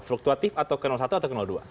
fluktuatif atau ke satu atau ke dua